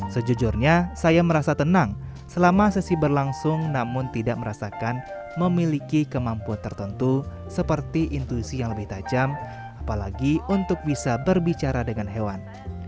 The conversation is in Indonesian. sejujurnya saya merasa tenang selama sesi berlangsung namun tidak merasakan memiliki kemampuan tertentu seperti intuisi yang lebih tajam apalagi untuk bisa berbicara dengan hewan